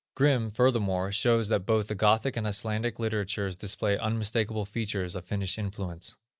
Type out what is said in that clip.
Grimm, furthermore, shows that both the Gothic and Icelandic literatures display unmistakable features of Finnish influence.